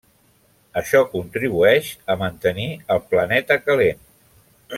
Això contribueix a mantenir el planeta calent.